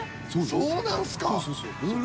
そうなんすか。